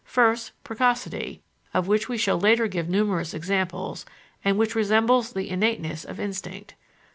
First, precocity, of which we shall later give numerous examples, and which resembles the innateness of instinct.